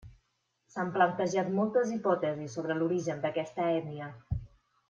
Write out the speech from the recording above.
S'han plantejat moltes hipòtesis sobre l'origen d'aquesta ètnia.